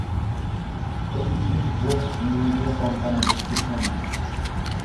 এটি east west media কোম্পানির একটি চ্যানেল।